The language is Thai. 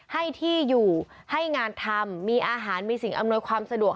ให้ที่อยู่ให้งานทำมีอาหารมีสิ่งอำนวยความสะดวก